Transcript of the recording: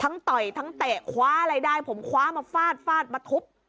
ต่อยทั้งเตะคว้าอะไรได้ผมคว้ามาฟาดฟาดมาทุบ